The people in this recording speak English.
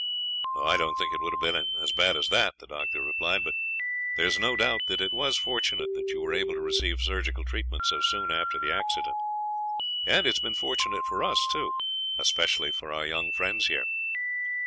"I don't think it would have been as bad as that," the doctor replied: "but there is no doubt that it was fortunate that you were able to receive surgical treatment so soon after the accident. And it has been fortunate for us, too, especially for our young friends here."